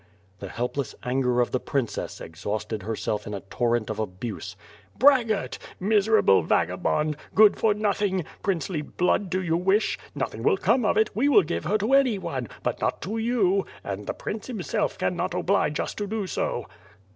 The helpless anger of the princess exhausted herself in a torrent of abuse. "Braggart! miserable vagabond! good for nothing! princely blood do you wish? nothing will come of it, we will give her to any one, but not to you, and the prince himself cannot oblige us to do so."